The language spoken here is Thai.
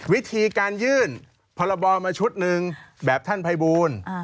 วิธีการยื่นพรบมาชุดหนึ่งแบบท่านภัยบูล